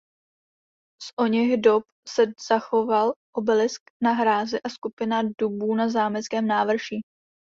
Z oněch dob se zachoval obelisk na hrázi a skupina dubů na zámeckém návrší.